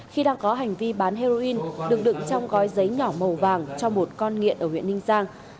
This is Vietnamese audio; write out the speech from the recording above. khi đang có hành vi bán heroin được đựng trong gói giấy nhỏ màu vàng cho một con nghiện ở huyện ninh giang